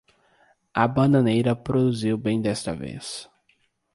A bananeira produziu bem desta vez